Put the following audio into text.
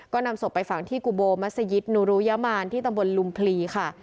ก็นำศพไปฝังที่กุโบมัศยิตนุรุยามานที่ตำบลลุมพลีค่ะ